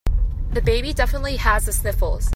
The baby definitely has the sniffles.